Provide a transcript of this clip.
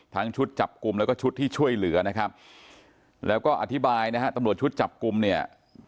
ชุดจับกลุ่มแล้วก็ชุดที่ช่วยเหลือนะครับแล้วก็อธิบายนะฮะตำรวจชุดจับกลุ่มเนี่ย